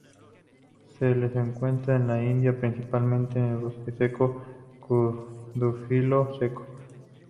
Se lo encuentra en la India, principalmente en bosque caducifolio seco.